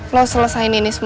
lo selesain ini semua